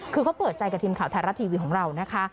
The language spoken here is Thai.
คือเขาเปิดใจกับทีมข่าวไทยรัฐทีวีของเรานะคะ